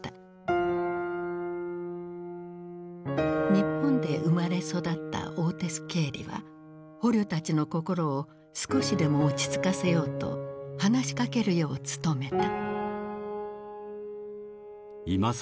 日本で生まれ育ったオーテス・ケーリは捕虜たちの心を少しでも落ち着かせようと話しかけるよう努めた。